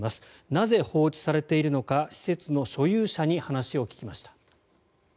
なぜ放置されているのか施設の保有者に話を聞きました。